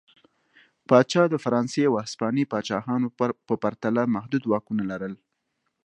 پاچا د فرانسې او هسپانیې پاچاهانو په پرتله محدود واکونه لرل.